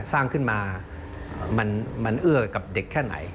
สร้างขึ้นมามันเอื้อกับเด็กแค่ไหน